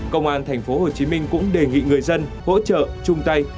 công an tp hcm cũng đề nghị người dân hỗ trợ chung tay